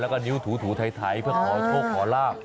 แล้วก็นิ้วถูไถเพื่อขอโชคขอลาบ